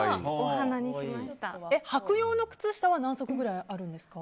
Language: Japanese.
はく用の靴下は何足くらいあるんですか。